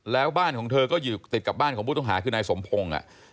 แล้วบ้านของเธอก็อยู่ติดกับบ้านของผู้ต้องหาคือนายสมพงศ์